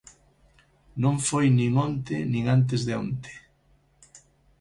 Non foi nin onte nin antes de onte.